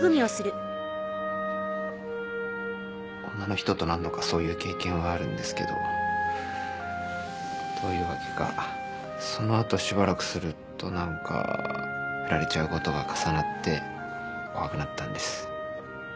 女の人と何度かそういう経験はあるんですけどどういうわけかそのあとしばらくすると何か振られちゃうことが重なって怖くなったんです。